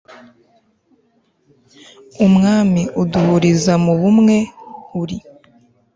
umwami ; uduhuriza mu bumwe, uri